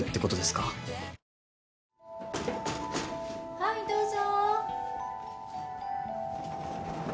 はいどうぞ。